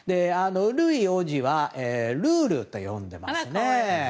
ルイ王子はルウルウと呼んでいますね。